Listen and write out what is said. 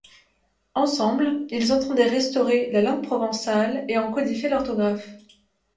Ensemble, ils entendaient restaurer la langue provençale et en codifier l'orthographe.